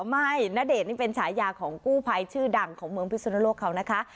ณเดชนนี่เป็นฉายาของกู้ภัยชื่อดังของเมืองพิสุนโลกเขานะคะ